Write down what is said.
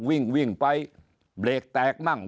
วิ่งวิ่งไปเบรกแตกมั่ง